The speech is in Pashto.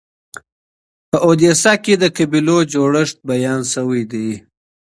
په اودیسه کي د قبیلو جوړښت بیان سوی دی.